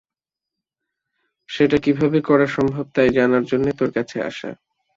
সেটা কীভাবে করা সম্ভব, তাই জানার জন্যে তোর কাছে আসা।